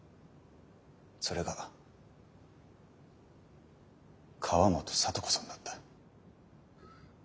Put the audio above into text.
それが河本咲都子さんだった。